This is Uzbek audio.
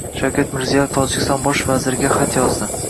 Shavkat Mirziyoyev Tojikiston bosh vaziriga xat yozdi